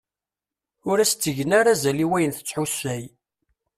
Ur as-ttgen ara azal i wayen tesḥusay.